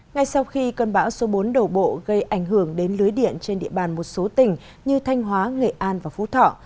ngay sau khi cơn bão số bốn đổ bộ gây ảnh hưởng đến lưới điện trên địa bàn một số tỉnh như thanh hóa nghệ an và phú thọ